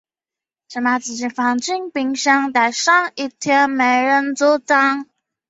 而禾寮港街属镇北坊。